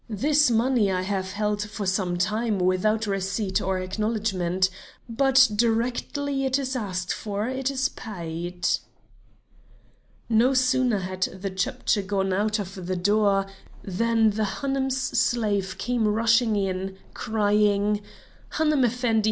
This money I have held for some time without receipt or acknowledgment; but directly it is asked for it is paid." No sooner had the Chepdji gone out of the door, than the Hanoum's slave came rushing in, crying: "Hanoum Effendi!